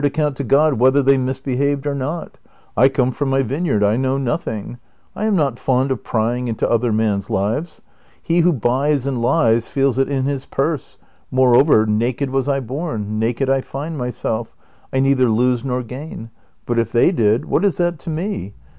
account to God whether they misbehaved or not ; I come from my vineyard, I know nothing ;^ I am not fond of prying into other men's lives ; he who buys and lies feels it in his purse ;^ moreover, naked was I born, naked I find myself, I neither lose nor gain ;^ but if they did, what is that to me